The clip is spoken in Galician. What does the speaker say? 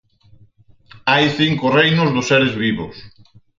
Hai cinco reinos dos seres vivos.